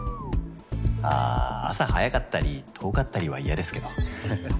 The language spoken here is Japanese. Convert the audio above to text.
あぁ朝早かったり遠かったりは嫌ですけど。ははっ。